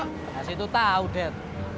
kasih itu tau det